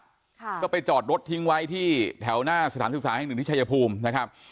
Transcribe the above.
ค่ะก็ไปจอดรถทิ้งไว้ที่แถวหน้าสถานศึกษาแห่งหนึ่งที่ชายภูมินะครับ